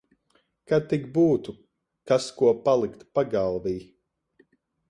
Kad tik būtu kas ko palikt pagalvī.